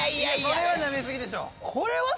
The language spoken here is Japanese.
これはナメすぎでしょ！